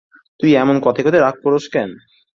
তুই এমন কথায়-কথায় রাগ করস কেন?